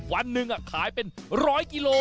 วันหนึ่งขายเป็น๑๐๐กิโล